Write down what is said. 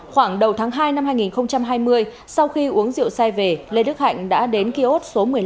khoảng đầu tháng hai năm hai nghìn hai mươi sau khi uống rượu xe về lê đức hạnh đã đến kiosk số một mươi năm